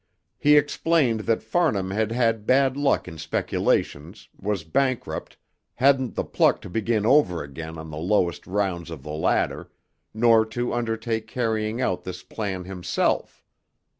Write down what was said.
He explained that Farnham had had bad luck in speculations, was bankrupt, hadn't the pluck to begin over again on the lowest rounds of the ladder, nor to undertake carrying out this plan himself.